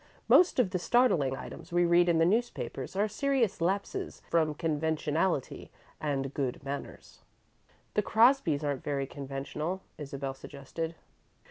Most of the startling items we read in the newspapers are serious lapses from conventionality and good manners." "The Crosbys aren't very conventional," Isabel suggested.